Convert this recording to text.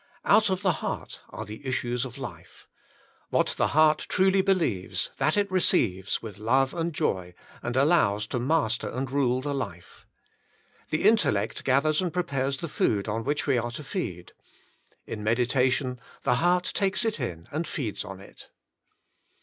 Out of the heart are the issues of life ; what the heart truly believes, that it receives with love and joy, and allows to master and rule the life. The intel lect gathers and prepares the food on which we are to feed. In meditation the heart takes it in and feeds on it.